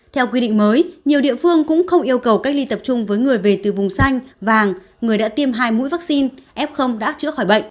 theo quy định mới nhiều địa phương cũng không yêu cầu cách ly tập trung với người về từ vùng xanh vàng người đã tiêm hai mũi vaccine f đã chữa khỏi bệnh